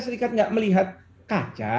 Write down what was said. serikat tidak melihat kaca